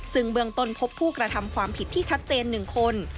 ซึ่งเบื้องต้นพบผู้กระทำความผิดที่ชัดเจน๑คน